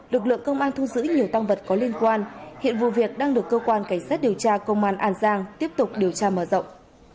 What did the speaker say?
lực lượng công an thu giữ nhiều tăng vật có liên quan hiện vụ việc đang được cơ quan cảnh sát điều tra công an an giang tiếp tục điều tra mở rộng